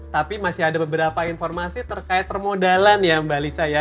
tapi masih ada beberapa informasi terkait permodalan ya mbak lisa ya